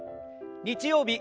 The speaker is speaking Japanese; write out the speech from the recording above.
日曜日